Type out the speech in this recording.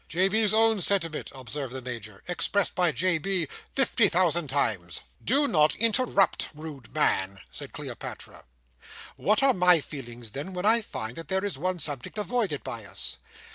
"J. B."s own sentiment," observed the Major, "expressed by J. B. fifty thousand times!" "Do not interrupt, rude man!" said Cleopatra. "What are my feelings, then, when I find that there is one subject avoided by us!